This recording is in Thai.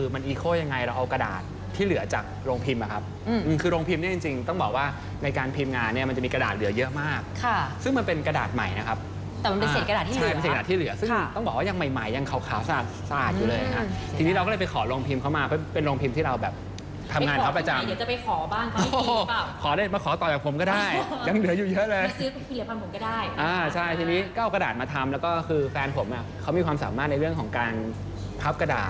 พี่โค้ยังไงเราเอากระดาษที่เหลือจากโรงพิมพ์หรือครับคือโรงพิมพ์เนี่ยจริงต้องบอกว่าในการพิมพ์งานเนี่ยมันจะมีกระดาษเหลือเยอะมากซึ่งมันเป็นกระดาษใหม่นะครับแต่มันเป็นเศษกระดาษที่เหลือซึ่งต้องบอกว่ายังใหม่ยังขาวซาดอยู่เลยค่ะทีนี้เราก็เลยไปขอโรงพิมพ์เขามาเป็นโรงพิมพ์ท